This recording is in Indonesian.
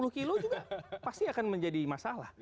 dua puluh kilo juga pasti akan menjadi masalah